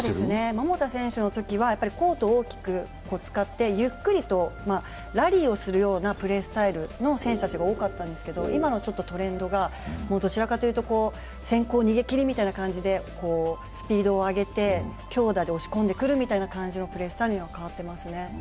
桃田選手のときは、コートを大きく使って、ゆっくりとラリーをするようなプレースタイルの選手たちが多かったんですけど今にトレンドが、どちらかというと先行逃げきりみたいな形でスピードを上げて、強打で押し込んでくるみたいな感じのプレースタイルに変わっていますね。